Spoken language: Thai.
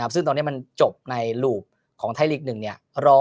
ซึ่งตรงนี้มันจบในหลูปของไทยลีกหนึ่งเนี่ย